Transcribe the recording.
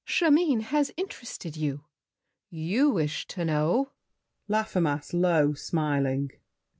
Chimène has interested you. You wish To know— LAFFEMAS (low, smiling).